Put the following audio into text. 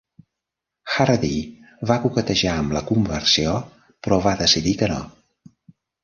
Hardy va coquetejar amb la conversió, però va decidir que no.